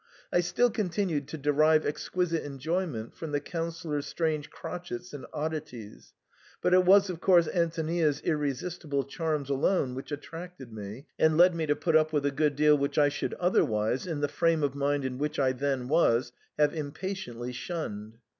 I still continued to derive exquisite enjoyment from the Councillor's strange crotchets and oddities; but it was of course Antonia's irresistible charms alone which attracted me, and led me to put up with a good deal which I should otherwise, in the frame of mind in which I then was, have impatiently shunned.